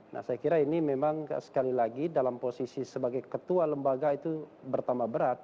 nah saya kira ini memang sekali lagi dalam posisi sebagai ketua lembaga itu bertambah berat